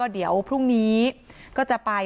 เดี๋ยวพรุ่งนี้ก็จะไป